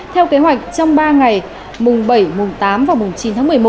theo kế hoạch trong ba ngày mùng bảy mùng tám và mùng chín tháng một mươi một